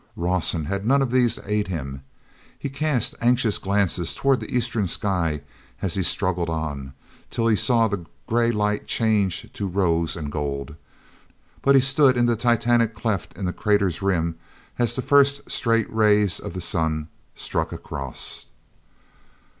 Rawson had none of these to aid him. He cast anxious glances toward the eastern sky as he struggled on, till he saw gray light change to rose and gold—but he stood in the titanic cleft in the crater's rim as the first straight rays of the sun struck across.